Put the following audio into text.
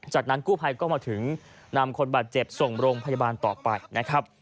จากนั้นกู้ภัยก็มาถึงนำคนบาดเจ็บส่งโรงพยาบาลต่อไปนะครับ